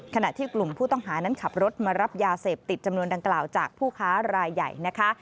ขณะที่กลุ่มผู้ต้องหานั้นขับรถมารับยาเสพติดจำนวนดังกล่าวจากผู้ค้ารายใหญ่นะคะ